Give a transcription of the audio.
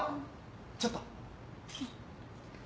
ちょっと。